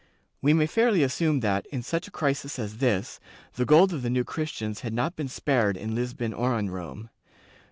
^ We may fairly assume that, in such a crisis as this, the gold of the New Christians had not been spared in Lisbon or in Rome.